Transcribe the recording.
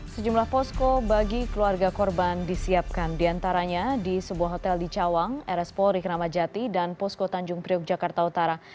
sejumlah posko bagi keluarga korban disiapkan diantaranya di sebuah hotel di cawang rs polri keramajati dan posko tanjung priok jakarta utara